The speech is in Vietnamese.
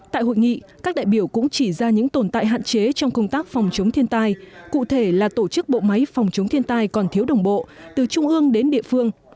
tại hội nghị các đại biểu cũng chỉ ra những tồn tại hạn chế trong công tác phòng chống thiên tai cụ thể là tổ chức bộ máy phòng chống thiên tai còn thiếu đồng bộ từ trung ương đến địa phương